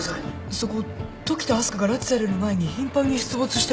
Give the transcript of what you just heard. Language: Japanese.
そこ時田明日香が拉致される前に頻繁に出没したエリア。